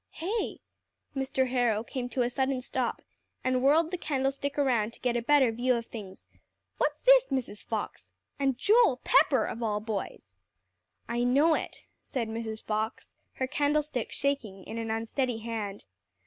"Hey?" Mr. Harrow came to a sudden stop, and whirled the candlestick around to get a better view of things. "What's this, Mrs. Fox? And Joel Pepper, of all boys!" "I know it," said Mrs. Fox, her candlestick shaking in an unsteady hand.